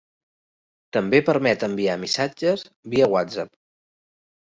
També permet enviar missatges via WhatsApp.